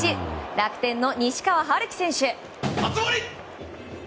楽天の西川遥輝選手。